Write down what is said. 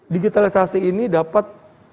digitalisasi ini dapat